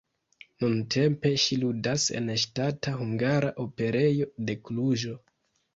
Nuntempe ŝi ludas en Ŝtata Hungara Operejo de Kluĵo.